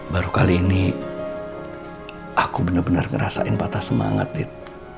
baru kali ini aku bener bener ngerasain patah semangat lid